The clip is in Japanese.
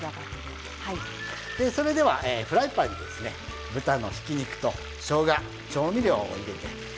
それではフライパンに豚のひき肉と、しょうが調味料を入れていきます。